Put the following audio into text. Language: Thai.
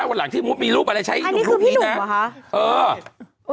วันหลังที่มีรูปอะไรใช้หนุ่มรูปนี้นะอันนี้คือพี่หนุ่มเหรอฮะ